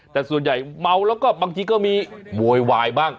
แต่ส่วนใหญ่เมาแล้วก็มันก็มีบ่อยวายบ้าง